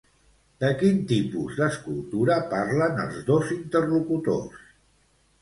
De quin tipus d'escultura parlen els dos interlocutors?